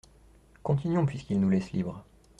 Continuons, puisqu’ils nous laissent libres.